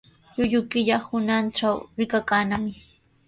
Llullu killa hunaqtraw rikakannami.